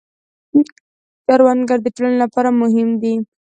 کروندګر د ټولنې لپاره مهم دی